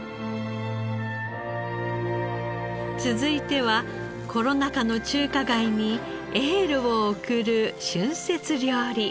続いてはコロナ禍の中華街にエールを送る春節料理。